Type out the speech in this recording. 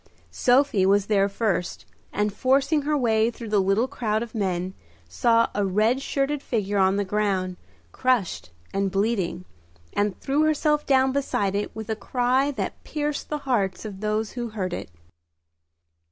Sophie was there first, and forcing her way through the little crowd of men, saw a red shirted figure on the ground, crushed and bleeding, and threw herself down beside it with a cry that pierced the hearts of those who heard it.